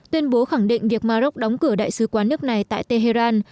tuyên bố khẳng định việc maroc đóng cửa đại sứ quán nước này tại tehran